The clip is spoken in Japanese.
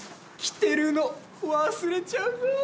着てるの忘れちゃうぞ。